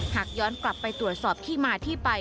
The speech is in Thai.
หากย้อนกลับไปตรวจสอบที่มาที่ไป